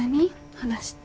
話って。